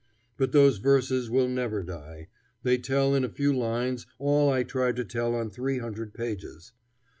But those verses will never die. They tell in a few lines all I tried to tell on three hundred pages.